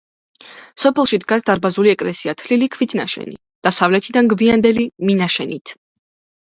სოფელში დგას დარბაზული ეკლესია თლილი ქვით ნაშენი, დასავლეთიდან გვიანდელი მინაშენით.